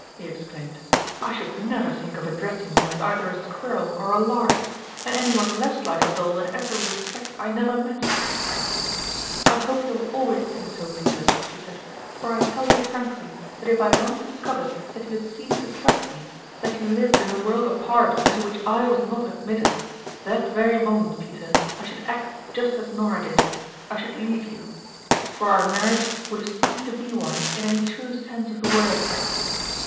he exclaimed, " I should never think of addressing you as either a squirrel or a lark ; and any one less like a doll in every respect 1 never met !" ^Tourmalin's ftime " I hope you will always think so, Peter," she said ;" for I tell you frankly, that if I once discovered that you had ceased to trust me, that you lived in a world apart into which I was not admitted, that very moment, Pe ter, I should act just as Nora did I should leave you ; for our marriage would have ceased to be one in any true sense of the word